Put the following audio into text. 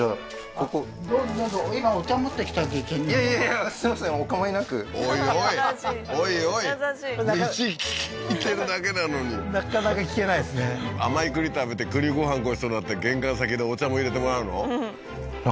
ここおいおいおいおい道聞いてるだけなのになかなか聞けないですね甘い栗食べて栗ご飯ごちそうになって玄関先でお茶もいれてもらうの？